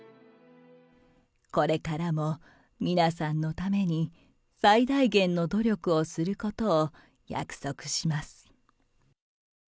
これからも皆さんのために、最大限の努力をすることを約束します。